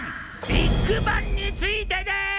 「ビッグバン」についてです！